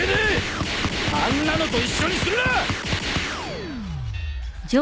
あんなのと一緒にするな！